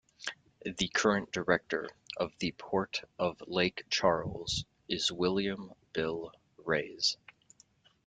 The current director of the Port of Lake Charles is William "Bill" Rase.